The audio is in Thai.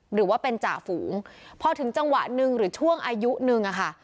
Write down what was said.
หรือว่าเป็นจ่าฝูงพอถึงจังหวะหนึ่งหรือช่วงอายุนึงอะค่ะ